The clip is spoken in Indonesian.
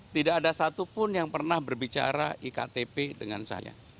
tidak ada satupun yang pernah berbicara iktp dengan saya